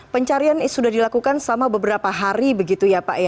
pencarian sudah dilakukan selama beberapa hari begitu ya pak ya